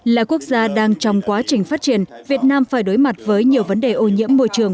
là quốc gia đang trong quá trình phát triển việt nam phải đối mặt với nhiều vấn đề ô nhiễm môi trường